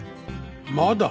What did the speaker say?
まだ？